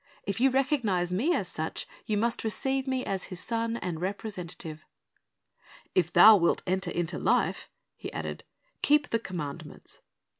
If you recognize Me as such, you must receive Me as His Son and representative. "If thou wilt enter into life," He added, "keep the commandments."